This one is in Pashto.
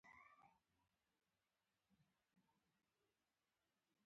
د ګوبک لي تپې تاریخ له میلاده نههنیمزره کاله مخکې دی.